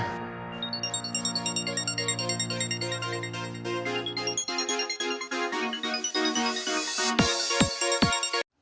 dio tunggu ibu